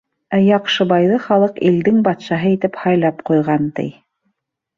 Ә Яҡшыбайҙы халыҡ илдең батшаһы итеп һайлап ҡуйған, ти.